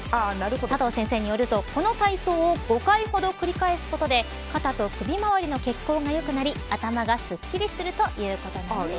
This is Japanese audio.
佐藤先生によると、この体操を５回ほど繰り返すことで肩と首周りの血行が良くなり頭がすっきりするということです。